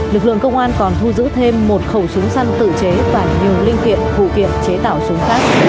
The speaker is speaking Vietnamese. lực lượng công an còn thu giữ thêm một khẩu súng săn tự chế và nhiều linh kiện phụ kiện chế tạo súng khác